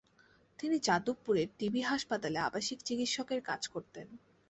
তিনি যাদবপুরের T B হাসপাতালে আবাসিক চিকিৎসকের কাজ করতেন।